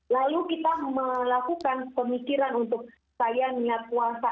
lalu kita melakukan pemikiran untuk saya niat puasa